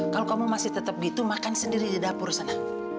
kalau kamu masih tetap gitu makan sendiri di dapur sana